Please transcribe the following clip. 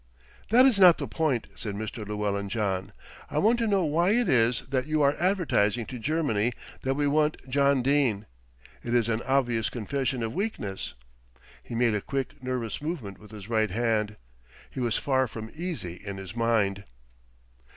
"That is not the point," said Mr. Llewellyn John. "I want to know why it is that you are advertising to Germany that we want John Dene. It is an obvious confession of weakness." He made a quick nervous movement with his right hand, he was far from easy in his mind.